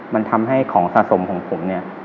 มันทำให้ของสะสมของผมเนี่ย